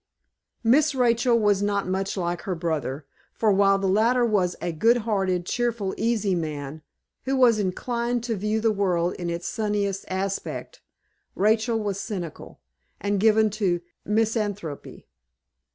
Miss Rachel was not much like her brother, for while the latter was a good hearted, cheerful easy man, who was inclined to view the world in its sunniest aspect, Rachel was cynical, and given to misanthropy.